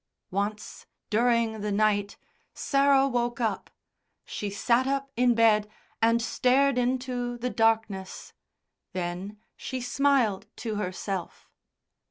Once, during the night, Sarah woke up; she sat up in bed and stared into the darkness. Then she smiled to herself.